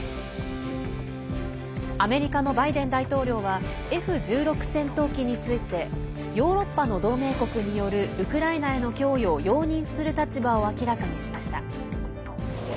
アメリカのバイデン大統領はＦ１６戦闘機についてヨーロッパの同盟国によるウクライナへの供与を容認する立場を明らかにしました。